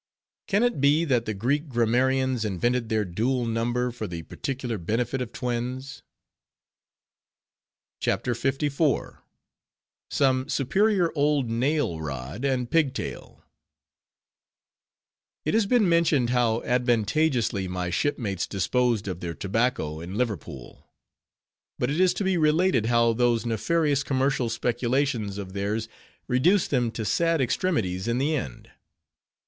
Can it be, that the Greek grammarians invented their dual number for the particular benefit of twins? CHAPTER LIV. SOME SUPERIOR OLD NAIL ROD AND PIG TAIL It has been mentioned how advantageously my shipmates disposed of their tobacco in Liverpool; but it is to be related how those nefarious commercial speculations of theirs reduced them to sad extremities in the end.